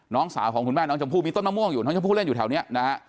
น้องสาวของคุณแม่น้องชมพู่มีต้นมะม่วงอยู่น้องชมพู่เล่นอยู่แถวนี้นะฮะ